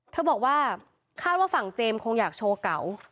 เธอบอกว่าคาดว่าฝั่งเจมส์คงอยากโชว์เก่า